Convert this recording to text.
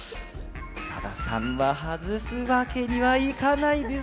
長田さんは外すわけにはいかないです。